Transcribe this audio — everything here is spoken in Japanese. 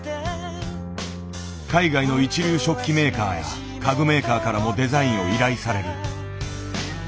海外の一流食器メーカーや家具メーカーからもデザインを依頼される。